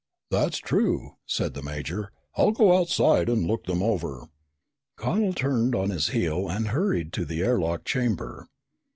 "That's true," said the major. "I'll go outside and look them over." Connel turned on his heel and hurried to the air lock chamber.